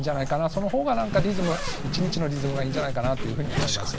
その方がリズム１日のリズムがいいんじゃないかなというふうに思います。